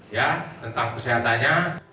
ya tentang kesehatannya